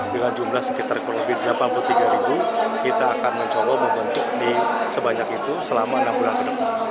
dengan jumlah sekitar kurang lebih delapan puluh tiga ribu kita akan mencoba membentuk di sebanyak itu selama enam bulan ke depan